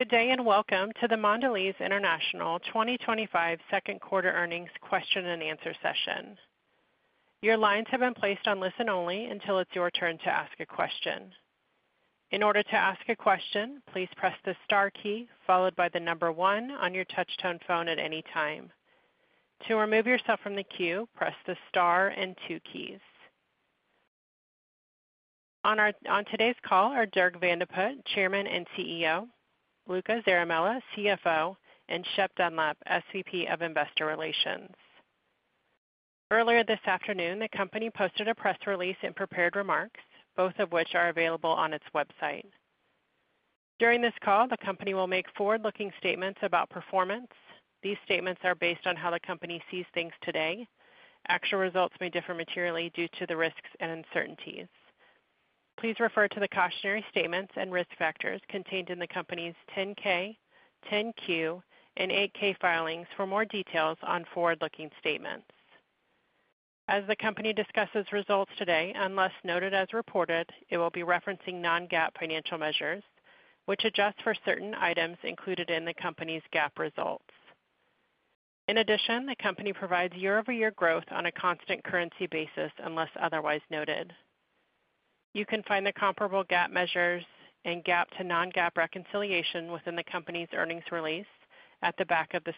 Good day and welcome to the Mondelēz International 2025 second quarter earnings question and answer session. Your lines have been placed on listen only until it is your turn to ask a question. In order to ask a question, please press the star key followed by the number one on your touchtone phone. At any time to remove yourself from the queue, press the star and two keys. On today's call are Dirk Van de Put, Chairman and CEO, Luca Zaramella, CFO, and Shep Dunlap, SVP of Investor Relations. Earlier this afternoon the company posted a press release and prepared remarks, both of which are available on its website. During this call, the company will make forward-looking statements about performance. These statements are based on how the company sees things today. Actual results may differ materially due to the risks and uncertainties. Please refer to the cautionary statements and risk factors contained in the company's 10-K, 10-Q, and 8-K filings for more details on forward-looking statements. As the company discusses results today, unless noted as reported, it will be referencing non-GAAP financial measures which adjust for certain items included in the company's GAAP results. In addition, the company provides year-over-year growth on a constant currency basis unless otherwise noted. You can find the comparable GAAP measures and GAAP to non-GAAP reconciliation within the company's earnings release at the back of the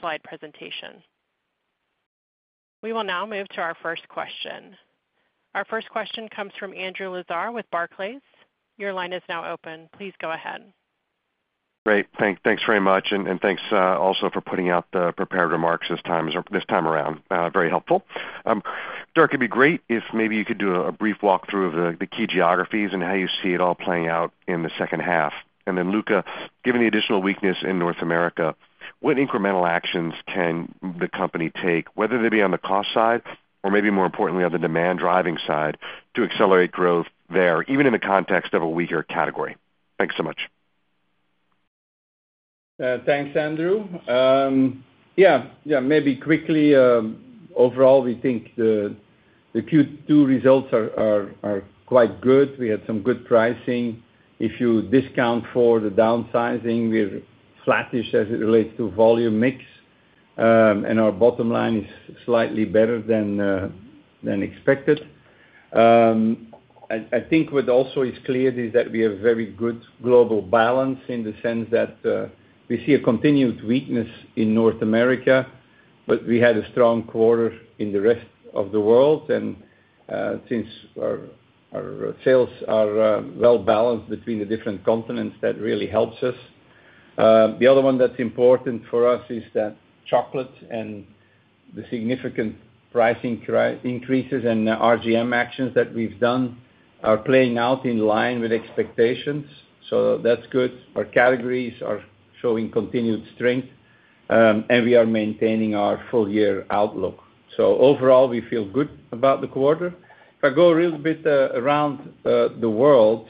slide presentation. We will now move to our first question. Our first question comes from Andrew Lazar with Barclays. Your line is now open. Please go ahead. Great. Thanks very much. Thanks also for putting out the prepared remarks this time around. Very helpful. Dirk. It would be great if maybe you could do a brief walkthrough of the key geographies and how you see it all playing out in the second half. Then Luca, given the additional weakness in North America, what incremental actions can the Company take, whether they be on the cost side or maybe more importantly on the demand driving side to accelerate growth there, even in the context of a weaker category. Thanks so much. Thanks, Andrew. Yeah, maybe quickly. Overall, we think the Q2 results are quite good. We had some good pricing if you discount for the downsizing. We're flattish as it relates to volume mix, and our bottom line is slightly better than expected. I think what also is clear is that we have very good global balance in the sense that we see a continued weakness in North America, but we had a strong quarter in the rest of the world, and since our sales are well balanced between the different continents, that really helps us. The other one that's important for us is that chocolate and the significant pricing increases and RGM actions that we've done are playing out in line with expectations. That's good. Our categories are showing continued strength, and we are maintaining our full year outlook. Overall, we feel good about the quarter. If I go a little bit around the world,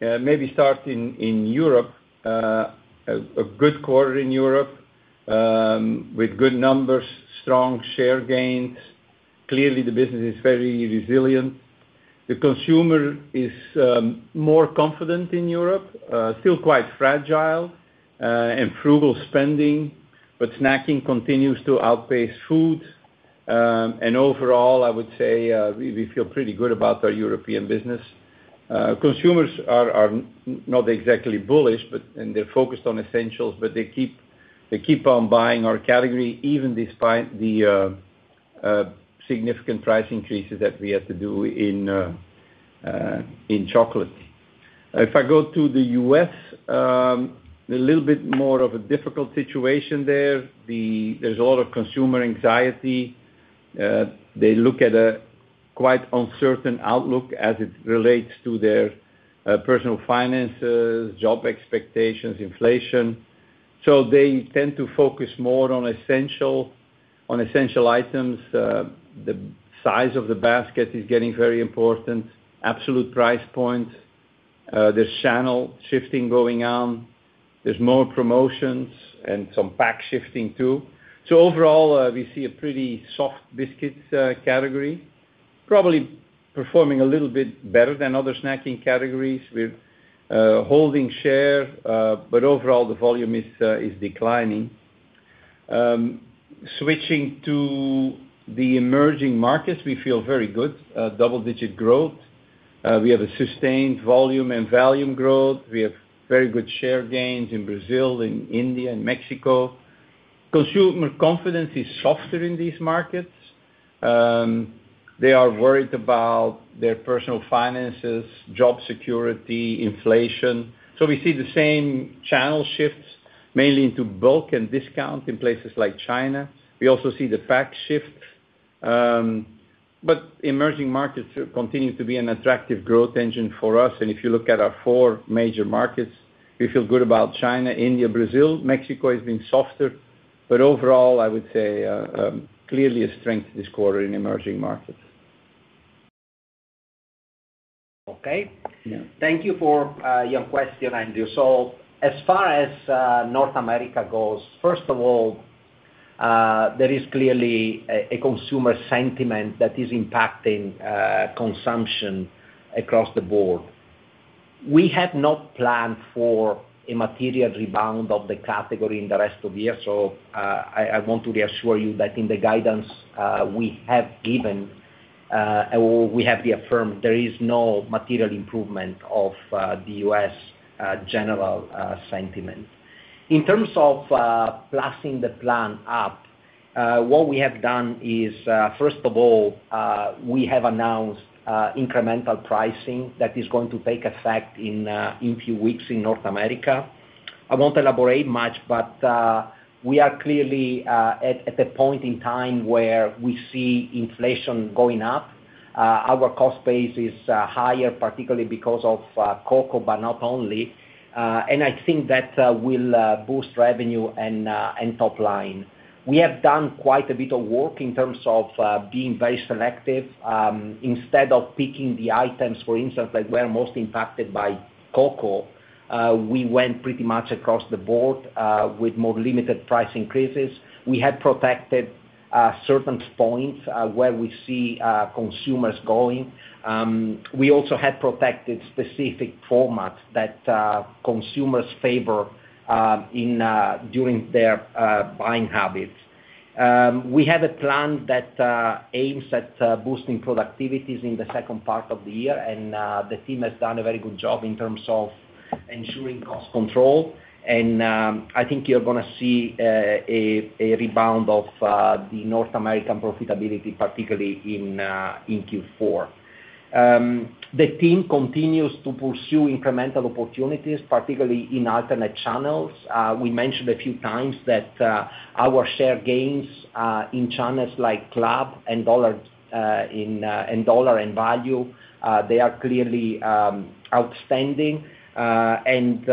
maybe start in Europe. A good quarter in Europe with good numbers, strong share gains. Clearly, the business is very resilient, the consumer is more confident in Europe, still quite fragile and frugal spending, but snacking continues to outpace food. Overall, I would say we feel pretty good about our European business. Consumers are not exactly bullish, and they're focused on essentials, but they keep on buying our category even despite the significant price increases that we have to do in chocolate. If I go to the U.S., a little bit more of a difficult situation there, there's a lot of consumer anxiety. They look at a quite uncertain outlook as it relates to their personal finances, job expectations, inflation. They tend to focus more on essential items. The size of the basket is getting very important, absolute price points. There's channel shifting going on, there's more promotions, and some pack shifting too. Overall, we see a pretty soft biscuits category, probably performing a little bit better than other snacking categories. We're holding share, but overall the volume is declining. Switching to the emerging markets, we feel very good double-digit growth. We have a sustained volume and volume growth. We have very good share gains in Brazil, in India, and Mexico. Consumer confidence is softer in these markets. They are worried about their personal finances, job security, inflation. We see the same channel shifts mainly into bulk and discount. In places like China, we also see the pack shift. Emerging markets continue to be an attractive growth engine for us. If you look at our four major markets, we feel good about China, India, Brazil. Mexico has been softer, but overall I would say clearly a strength this quarter in emerging markets. Okay, thank you for your question, Andrew. As far as North America goes, first of all there is clearly a consumer sentiment that is impacting consumption across the board. We have not planned for a material rebound of the category in the rest of the year. I want to reassure you that in the guidance we have given, we have reaffirmed there is no material improvement of the U.S. general sentiment in terms of passing the plan up. What we have done is, first of all, we have announced incremental pricing that is going to take effect in a few weeks in North America. I will not elaborate much, but we are clearly at the point in time where we see inflation going up. Our cost base is higher, particularly because of Cocoa, but not only. I think that will boost revenue and top line. We have done quite a bit of work in terms of being very selective. Instead of picking the items, for instance, that were most impacted by Cocoa, we went pretty much across the board with more limited price increases. We had protected certain points where we see consumers going. We also had protected specific formats that consumers favor during their buying habits. We have a plan that aims at boosting productivities in the second part of the year and the team has done a very good job in terms of ensuring cost control. I think you are gonna see a rebound of the North American profitability, particularly in Q4. The team continues to pursue incremental opportunities, particularly in alternate channels. We mentioned a few times that our share gains in channels like Club and dollar and Value, they are clearly outstanding and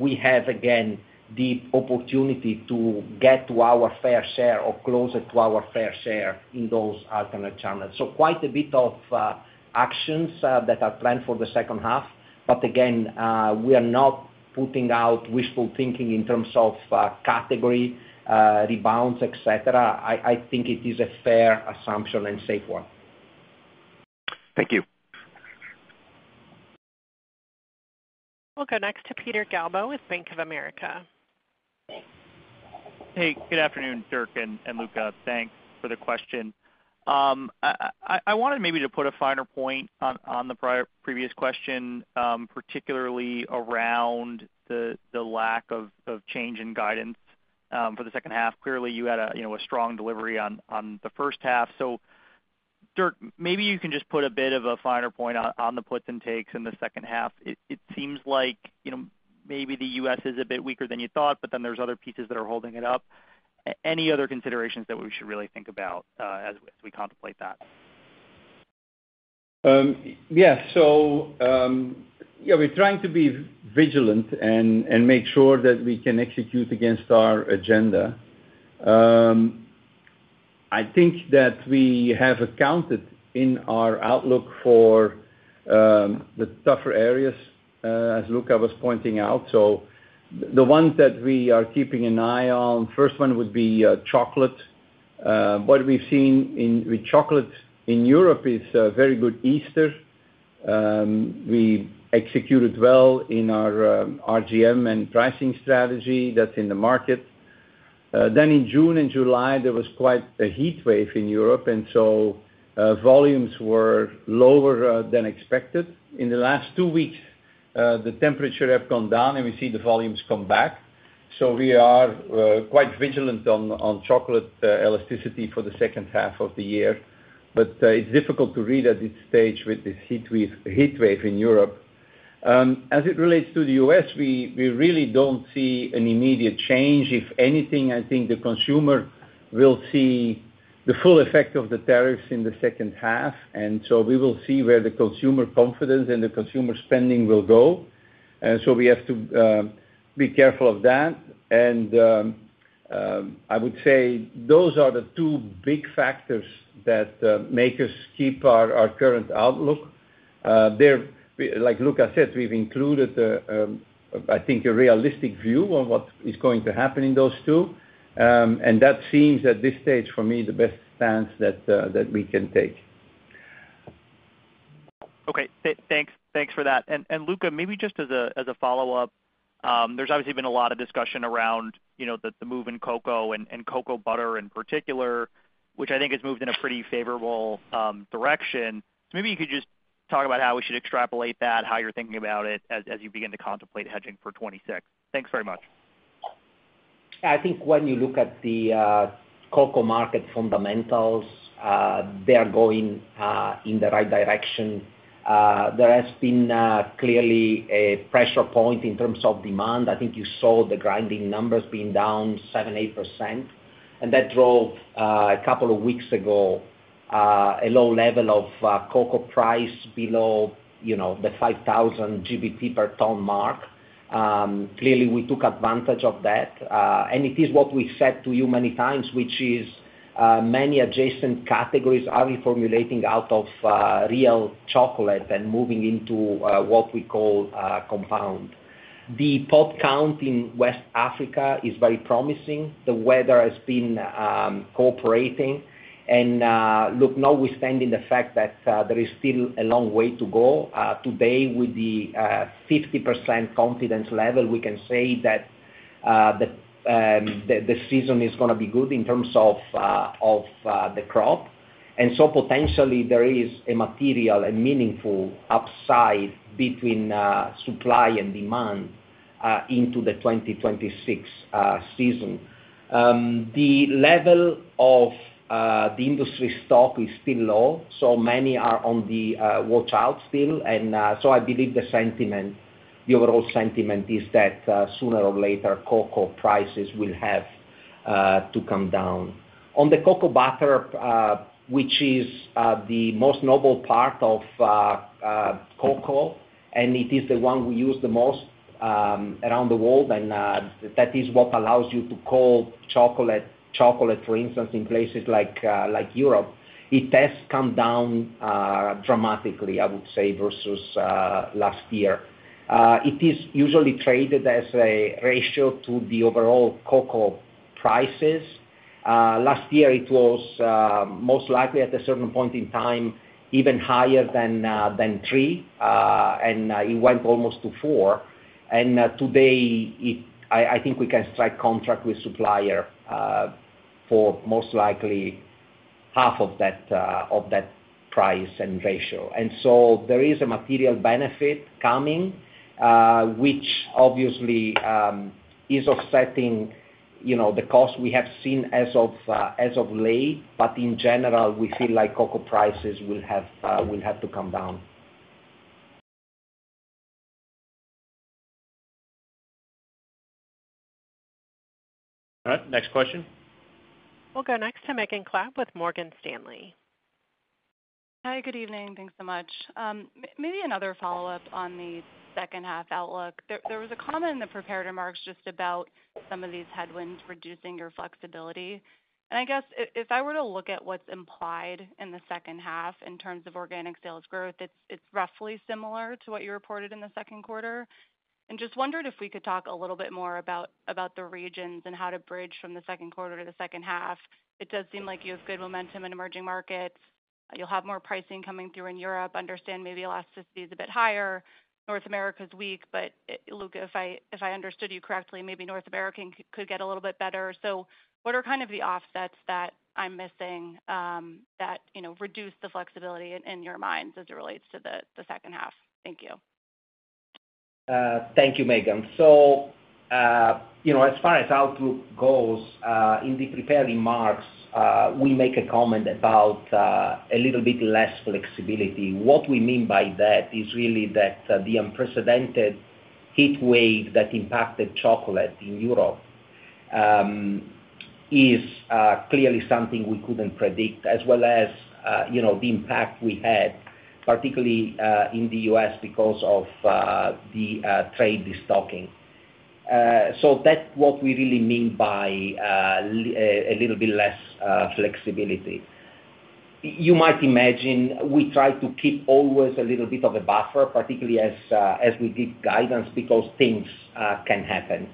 we have again the opportunity to get to our fair share or closer to our fair share in those alternate channels. Quite a bit of actions are planned for the second half. Again, we are not putting out wishful thinking in terms of category rebounds, etc. I think it is a fair assumption and a safe one. Thank you. We'll go next to Peter Galbo with Bank of America. Hey, good afternoon, Dirk and Luca. Thanks for the question. I wanted maybe to put a finer point on the previous question, particularly around the lack of change in guidance for the second half. Clearly you had a strong delivery on the first half, so Dirk, maybe you can just put a bit of a finer point on the puts and takes in the second half. It seems like maybe the U.S. is a bit weaker than you thought. But then there's other pieces that are holding it up. Any other considerations that we should really think about as we contemplate that? Yes. We are trying to be vigilant and make sure that we can execute against our agenda. I think that we have accounted in our outlook for the tougher areas, as Luca was pointing out. The ones that we are keeping an eye on, first one would be chocolate. What we have seen with chocolate in Europe is very good. Easter we executed well in our RGM and pricing strategy that is in the market. In June and July there was quite a heat wave in Europe and volumes were lower than expected. In the last two weeks the temperature has gone down and we see the volumes come back. We are quite vigilant on chocolate elasticity for the second half of the year. It is difficult to read at this stage with this heat wave in Europe. As it relates to the U.S., we really do not see an immediate change. If anything, I think the consumer will see the full effect of the tariffs in the second half and we will see where the consumer confidence and the consumer spending will go. We have to be careful of that. I would say those are the two big factors that make us keep our current outlook. Like Luca said, we have included, I think, a realistic view of what is going to happen in those two and that seems at this stage for me the best stance that we can take. Okay, thanks for that. Luca, maybe just as a follow up, there's obviously been a lot of discussion around the move in cocoa and cocoa butter in particular, which I think has moved in a pretty favorable direction. Maybe you could just talk about how we should extrapolate that, how you're thinking about it as you begin to contemplate hedging for 2026. Thanks very much. I think when you look at the cocoa market fundamentals, they are going in the right direction. There has been clearly a pressure point in terms of demand. I think you saw the grinding numbers being down 7-8% and that drove a couple of weeks ago a low level of cocoa price below the 5,000 GBP per ton mark. Clearly we took advantage of that. It is what we said to you many times, which is many adjacent categories are reformulating out of real chocolate and moving into what we call compound. The pop count in West Africa is very promising. The weather has been cooperating. Notwithstanding the fact that there is still a long way to go, today, with the 50% confidence level, we can say that the season is gonna be good in terms of the crop. Potentially there is a material and meaningful upside between supply and demand into the 2026 season. The level of the industry stock is still low. Many are on the watch out still. I believe the sentiment, the overall sentiment, is that sooner or later cocoa prices will have to come down. On the cocoa butter, which is the most noble part of cocoa and it is the one we use the most around the world, that is what allows you to call chocolate. For instance, in places like Europe it has come down dramatically, I would say, versus last year. It is usually traded as a ratio to the overall cocoa prices. Last year it was most likely at a certain point in time even higher than three and it went almost to four. Today I think we can strike contract with supplier for most likely half of that price and ratio. There is a material benefit coming which obviously is offsetting the cost we have seen as of late. In general we feel like cocoa prices will have to come down. All right, next question. We'll go next to Megan Clapp with Morgan Stanley. Hi, good evening. Thanks so much. Maybe another follow-up on the second half outlook. There was a comment in the prepared remarks just about some of these headwinds reducing your flexibility. I guess if I were to look at what is implied in the second half in terms of organic sales growth, it is roughly similar to what you reported in the second quarter. I just wondered if we could talk a little bit more about the regions and how to bridge from the second quarter to the second half. It does seem like you have good momentum in emerging markets. You will have more pricing coming through in Europe. I understand maybe elasticity is a bit higher. North America is weak. Luca, if I understood you correctly, maybe North America could get a little bit better. What are kind of the offsets that I am missing that reduce the flexibility in your minds as it relates to the second half? Thank you. Thank you, Megan. As far as outlook goes, in the prepared remarks, we make a comment about a little bit less flexibility. What we mean by that is really that the unprecedented heat wave that impacted chocolate in Europe is clearly something we could not predict as well as, you know, the impact we had, particularly in the U.S. because of the trade destocking. That is what we really mean by a little bit less flexibility. You might imagine we try to keep always a little bit of a buffer, particularly as we give guidance because things can happen.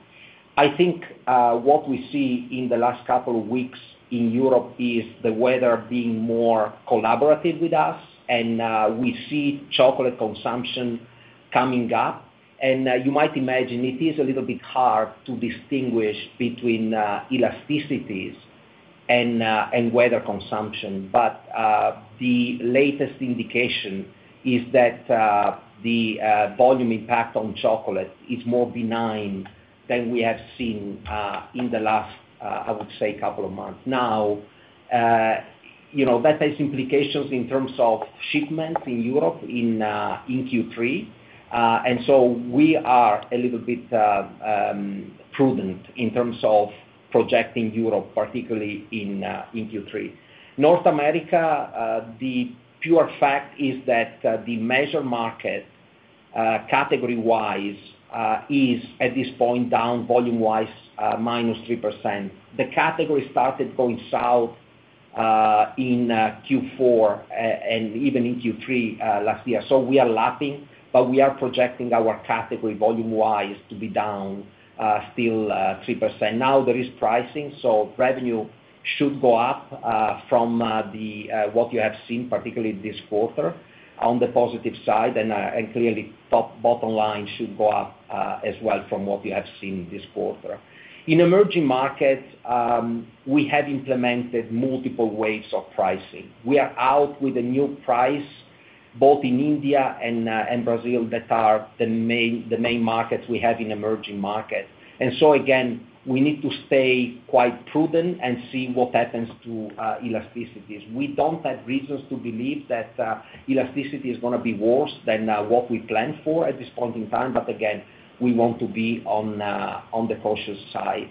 I think what we see in the last couple of weeks in Europe is the weather being more collaborative with us and we see chocolate consumption coming up. You might imagine it is a little bit hard to distinguish between elasticities and weather consumption. But the latest indication is that the volume impact on chocolate is more benign than we have seen in the last, I would say, couple of months now. That has implications in terms of shipments in Europe in Q3. We are a little bit prudent in terms of projecting Europe, particularly in Q3, North America. The pure fact is that the major market category wise is at this point down volume wise -3%. The category started going south in Q4 and even in Q3 last year. We are lapping. We are projecting our category, volume wise to be down still 3%. There is pricing. Revenue should go up from what you have seen, particularly this quarter on the positive side and clearly top bottom line should go up as well. From what you have seen this quarter in emerging markets, we have implemented multiple ways of pricing. We are out with a new price both in India and Brazil that are the main markets we have in emerging market. Again, we need to stay quite prudent and see what happens to elasticity. We do not have reasons to believe that elasticity is gonna be worse than what we plan for at this point in time. Again, we want to be on the cautious side.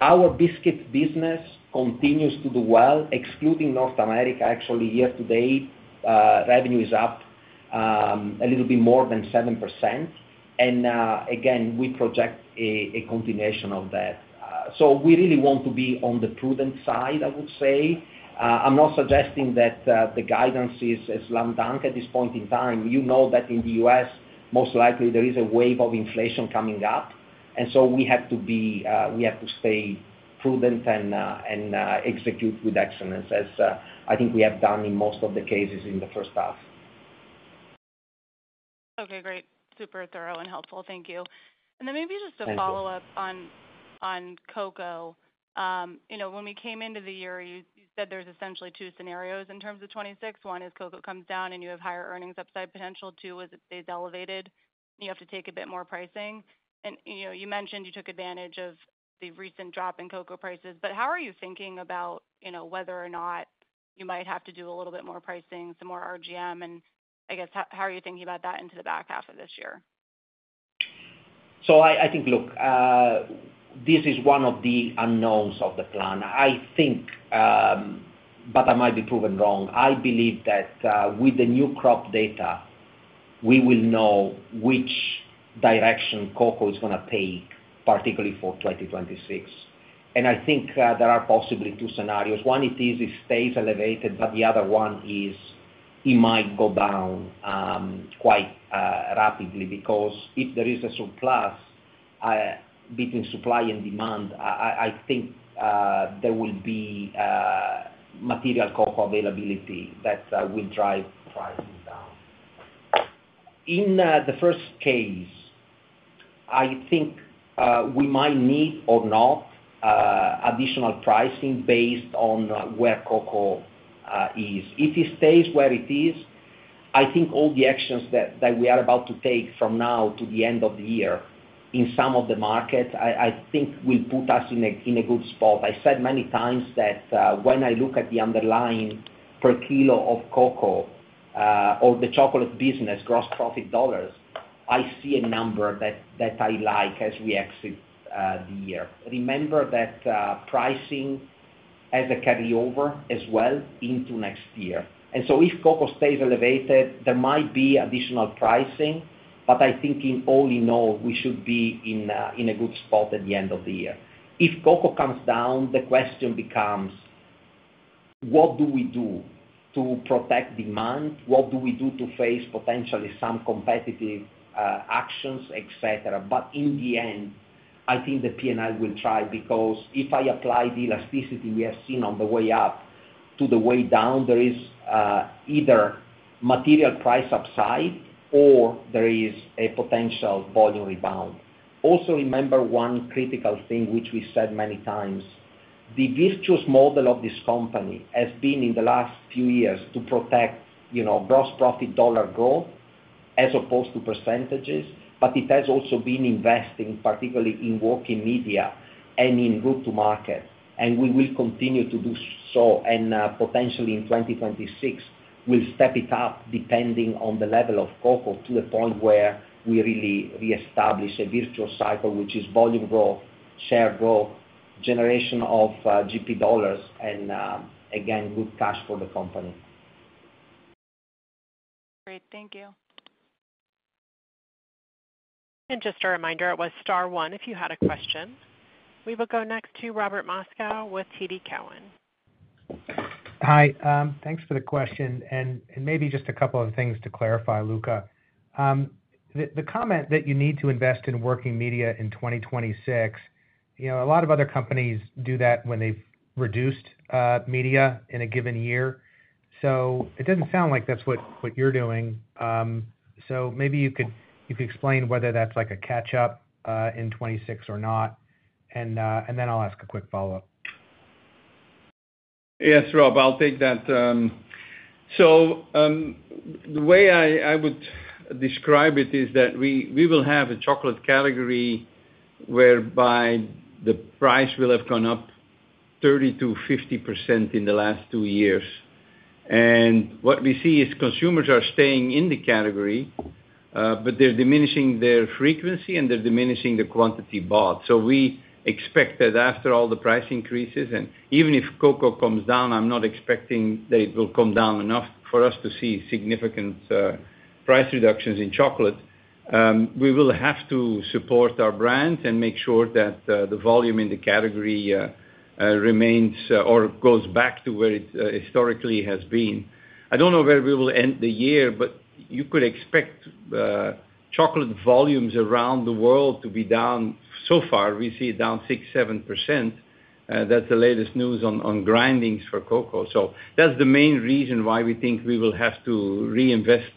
Our biscuit business continues to do well, excluding North America. Actually, year to date, revenue is up a little bit more than 7% and again we project a continuation of that. We really want to be on the prudent side, I would say. I am not suggesting that the guidance is slam dunk at this point in time. You know that in the U.S. most likely there is a wave of inflation coming up. We have to be, we have to stay prudent and execute with excellence as I think we have done in most of the cases in the first half. Okay, great. Super thorough and helpful, thank you. Maybe just a follow up on cocoa. When we came into the year you said there's essentially two scenarios in terms of 2026. One is cocoa comes down and you have higher earnings upside potential. Two, elevated, you have to take a bit more pricing. You mentioned you took advantage of the recent drop in cocoa prices. How are you thinking about whether or not you might have to do a little bit more pricing, some more RGM? I guess how are you thinking about that into the back half of this year? I think, look, this is one of the unknowns of the plan, I think but I might be proven wrong. I believe that with the new crop data we will know which direction cocoa is gonna take, particularly for 2026. I think there are possibly two scenarios. One is, it stays elevated, but the other one is it might go down quite rapidly because if there is a surplus between supply and demand, I think there will be material cocoa availability that will drive prices down. In the first case, I think we might need or not additional pricing based on where cocoa is. If it stays where it is, I think all the actions that we are about to take from now to the end of the year in some of the markets will put us in a good spot. I said many times that when I look at the underlying per kilo of cocoa or the chocolate business gross profit dollars, I see a number that I like as we exit the year. Remember that pricing has a carryover as well into next year. If cocoa stays elevated, there might be additional pricing. I think all in all we should be in a good spot at the end of the year. If cocoa comes down, the question becomes what do we do to protect demand, what do we do to face potentially some competitive actions, etc. In the end I think the PNL will try because if I apply the elasticity we have seen on the way up to the way down, there is either material price upside or there is a potential volume rebound. Also remember one critical thing which we said many times, the virtuous model of this company has been in the last few years to protect gross profit dollar growth as opposed to percentages. It has also been investing particularly in working media and in go-to-market and we will continue to do so and potentially in 2026 we'll step it up depending on the level of cocoa to the point where we really reestablish a virtuous cycle which is volume growth, share growth, generation of GP dollars and again, good cash for the company. Great, thank you. Just a reminder, it was star one. If you had a question, we will go next to Robert Moskow with TD Cowen. Hi, thanks for the question and maybe just a couple of things to clarify. Luca, the comment that you need to invest in working media in 2026, a lot of other companies do that when they've reduced media in a given year. It doesn't sound like that's what you're doing. Maybe you could, you can explain whether that's like a catch up in 2026 or not and then I'll ask. A quick follow up. Yes Rob, I'll take that. The way I would describe it is that we will have a chocolate category whereby the price will have gone up 30%-50% in the last two years. What we see is consumers are staying in the category, but they're diminishing their frequency and they're diminishing the quantity bought. We expect that after all the price increases and even if cocoa comes down, I'm not expecting that it will come down enough for us to see significant price reductions in chocolate. We will have to support our brands and make sure that the volume in the category remains or goes back to where it historically has been. I don't know where we will end the year, but you could expect chocolate volumes around the world to be down. So far we see it down 6-7%. That's the latest news on grindings for cocoa. That's the main reason why we think we will have to reinvest.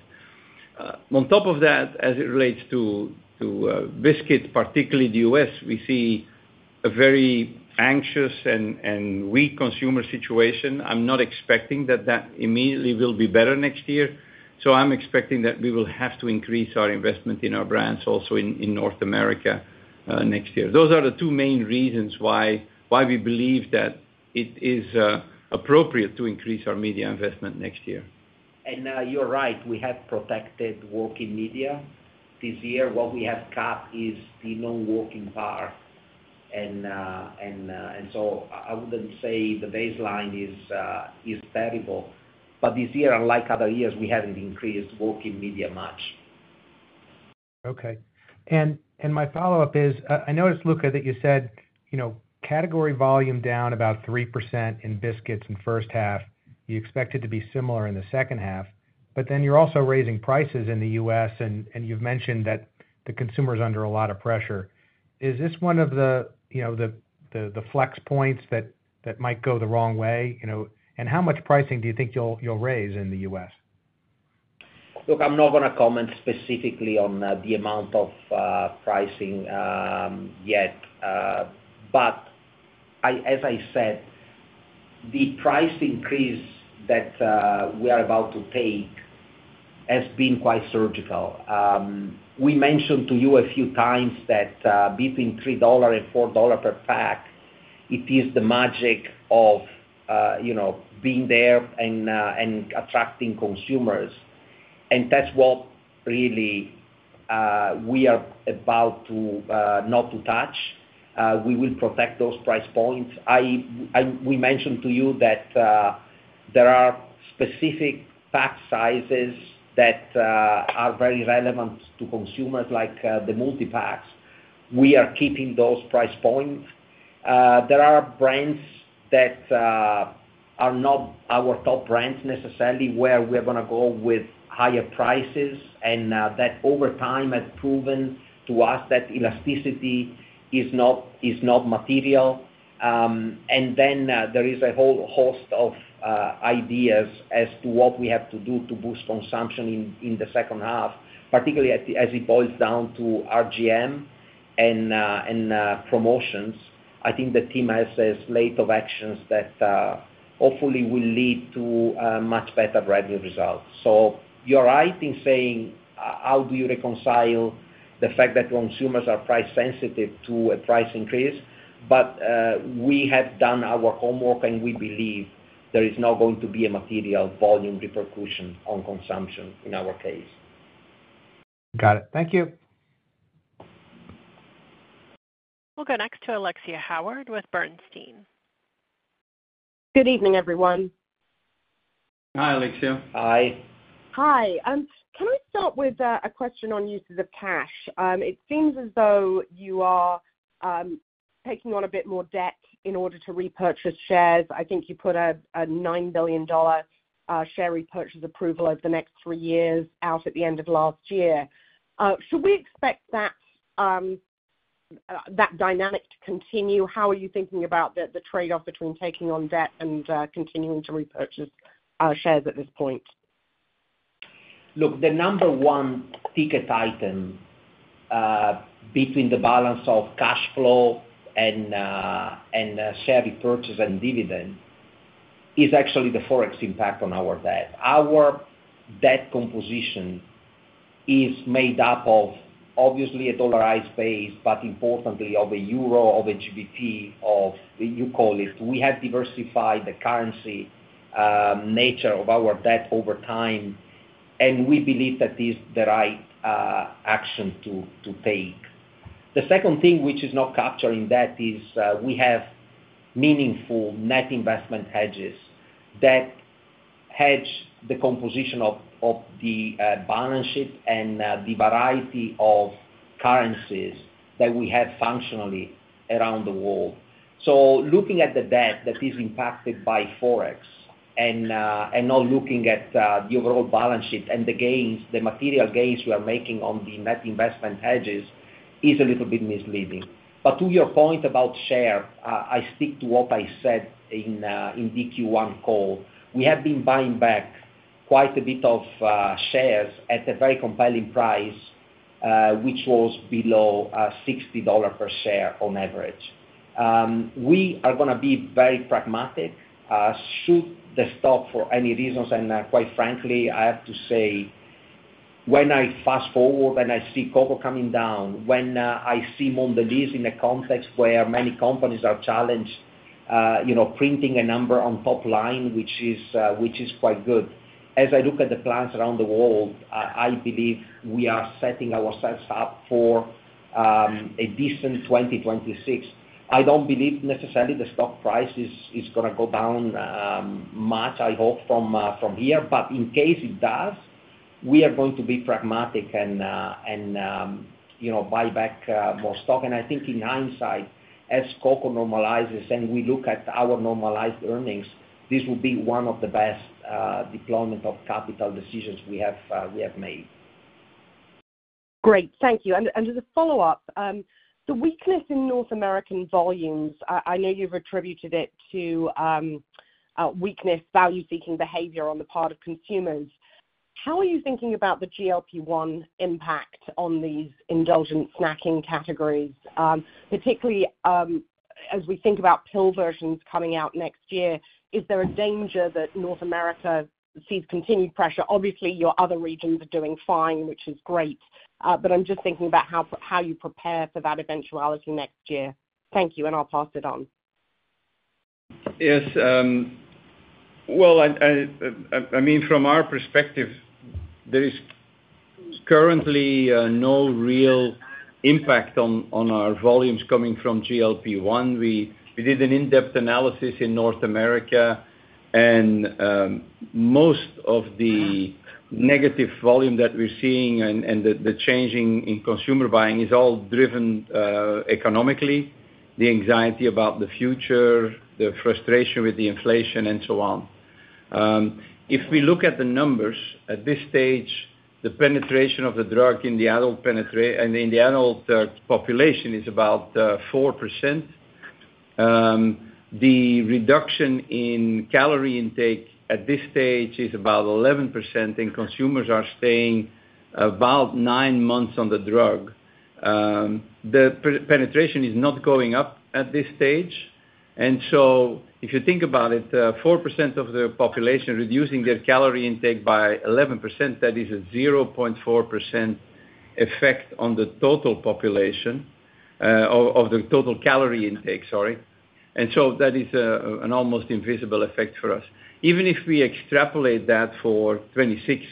On top of that, as it relates to Biscuit, particularly the U.S., we see a very anxious and weak consumer situation. I'm not expecting that that immediately will be better next year. I'm expecting that we will have to increase our investment in our brands also in North America next year. Those are the two main reasons why we believe that it is appropriate to increase our media investment next year. You are right, we have protected working media this year. What we have cut is the non-working part. I would not say the baseline is terrible. This year, unlike other years, we have not increased working media much. Okay. My follow up is, I noticed, Luca, that you said category volume down about 3% in biscuits in first half. You expect it to be similar in the second half. You are also raising prices in the U.S. and you have mentioned that the consumer is under a lot of pressure. Is this one of the flex points that might go the wrong way? How much pricing do you think you will raise in the U.S.? Look, I'm not gonna comment specifically on the amount of pricing yet, but as I said, the price increase that we are about to take has been quite surgical. We mentioned to you a few times that between $3-$4 per pack, it is the magic of being there and attracting consumers. That is what really we are about not to touch. We will protect those price points. We mentioned to you that there are specific pack sizes that are very relevant to consumers, like the multipacks. We are keeping those price points. There are brands that are not our top brands necessarily where we are gonna go with higher prices. That over time has proven to us that elasticity is not material. There is a whole host of ideas as to what we have to do to boost consumption in the second half, particularly as it boils down to RGM and promotions. I think the team has a slate of actions that hopefully will lead to much better revenue result. You are right in saying how do you reconcile the fact that consumers are price sensitive to a price increase? We have done our homework and we believe there is not going to be a material volume repercussion on consumption in our case. Got it. Thank you. We'll go next to Alexia Howard with Bernstein. Good evening, everyone. Hi, Alexia. Hi. Hi. Can I start with a question on uses of cash? It seems as though you are taking on a bit more debt in order to repurchase shares. I think you put a $9 billion share repurchase approval over the next three years out at the end of last year. Should we expect that dynamic to continue? How are you thinking about the trade off between taking on debt and continuing to repurchase shares at this point? Look, the number one ticket item between the balance of cash flow and share repurchase and dividend is actually the Forex impact on our debt. Our debt composition is made up of obviously a dollarized base, but importantly of a euro, of a GBP you call it. We have diversified the currency nature of our debt over time and we believe that is the right action to take. The second thing which is not capturing that is we have meaningful net investment hedges that hedge the composition of the balance sheet and the variety of currencies that we have functionally around the world. Looking at the debt that is impacted by Forex and not looking at the overall balance sheet and the gains, the material gains we are making on the net investment hedges is a little bit misleading. To your point about share, I stick to what I said in the Q1 call. We have been buying back quite a bit of shares at a very compelling price which was below $60 per share on average. We are gonna be very pragmatic, shoot the stock for any reasons. Quite frankly, I have to say, when I fast forward and I see copper coming down, when I see Mondelēz in a context where many companies are challenged, printing a number on top line, which is quite good. As I look at the plans around the world, I believe we are setting ourselves up for a decent 2026. I do not believe necessarily the stock price is gonna go down much, I hope from here, but in case it does, we are going to be pragmatic and buy back more stock. I think in hindsight, as Cocoa normalizes and we look at our normalized earnings, this will be one of the best deployment of capital decisions we have made. Great, thank you. As a follow up, the weakness in North American volumes, I know you've attributed it to weakness, value-seeking behavior on the part of consumers. How are you thinking about the GLP-1 impact on these indulgent snacking categories, particularly as we think about pill versions coming out next year? Is there a danger that North America sees continued pressure? Obviously your other regions are doing fine, which is great, but I'm just thinking about how you prepare for that eventuality next year. Thank you and I'll pass it on. Yes, I mean from our perspective there is currently no real impact on our volumes coming from GLP-1. We did an in-depth analysis in North America and most of the negative volume that we're seeing and the change in consumer buying is all driven economically. The anxiety about the future, the frustration with the inflation and so on. If we look at the numbers at this stage, the penetration of the drug in the adult population is about 4%. The reduction in calorie intake at this stage is about 11%. Consumers are staying about nine months on the drug, the penetration is not going up at this stage. If you think about it, 4% of the population reducing their calorie intake by 11%, that is a 0.4% effect on the total population of the total calorie intake. Sorry. That is an almost invisible effect for us. Even if we extrapolate that for 2026,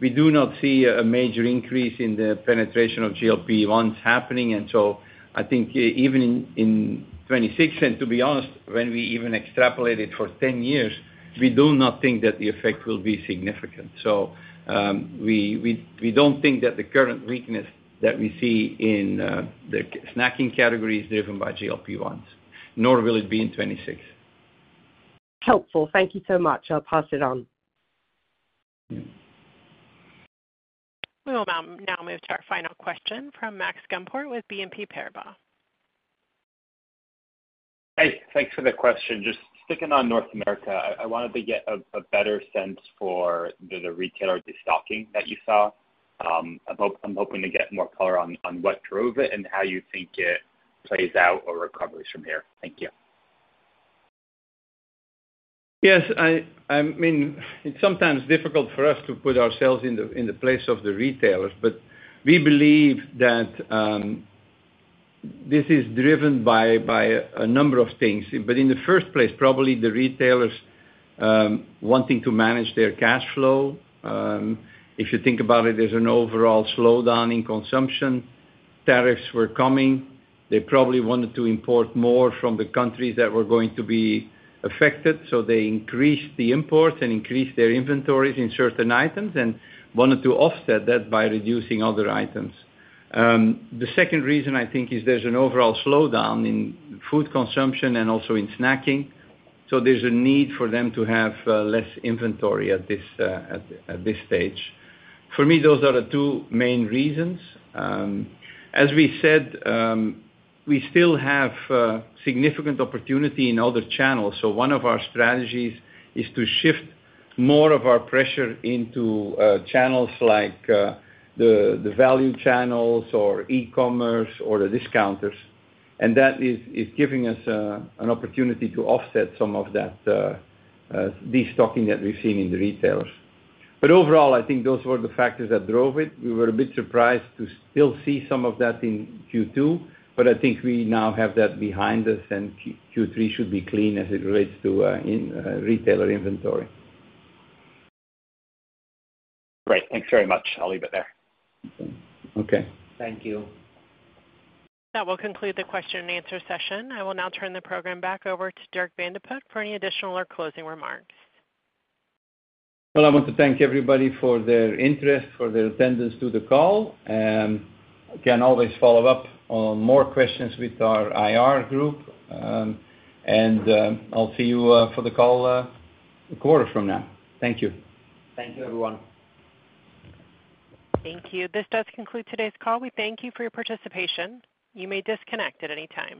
we do not see a major increase in the penetration of GLP-1s happening. I think even in 2026, to be honest, when we even extrapolated for 10 years, we do not think that the effect will be significant. We don't think that the current weakness that we see in the snacking category is driven by GLP-1, nor will it be in 2026. Helpful. Thank you so much. I'll pass it on. We will now move to our final question from Max Gumport with BNP Paribas. Hey, thanks for the question. Just sticking on North America, I wanted. To get a better sense for the retailer destocking that you saw. I'm hoping to get more color on. What drove it and how you think? It plays out or recovers from here. Thank you. Yes. I mean, it's sometimes difficult for us to put ourselves in the place of the retailers, but we believe that this is driven by a number of things. In the first place, probably the retailers wanting to manage their cash flow. If you think about it, there's an overall slowdown in consumption. Tariffs were coming. They probably wanted to import more from the countries that were going to be affected. They increased the imports and increased their inventories in certain items and wanted to offset that by reducing other items. The second reason I think is there's an overall slowdown in food consumption and also in snacking. There's a need for them to have less inventory at this stage. For me, those are the two main reasons. As we said, we still have significant opportunity in other channels. One of our strategies is to shift more of our pressure into channels like the value channels or E-commerce or the discounters and that is giving us an opportunity to offset some of that destocking that we've seen in the retailers. Overall, I think those were the factors that drove it. We were a bit surprised to still see some of that in Q2, but I think we now have that behind us. Q3 should be clean as it relates to retailer inventory. Great. Thanks very much. I'll leave it there. Okay. Thank you. That will conclude the question and answer session. I will now turn the program back over to Dirk Van de Put for any additional or closing remarks. I want to thank everybody for their interest, for their attendance to the call. You can always follow up on more questions with our IR group. I'll see you for the call a quarter from now. Thank you. Thank you, everyone. Thank you. This does conclude today's call. We thank you for your participation. You may disconnect at any time.